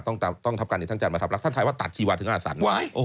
ต้องทับการในทางจันทร์มาทับลักษณ์ท่านทายว่าตัดชีวาถึงอาศันทร์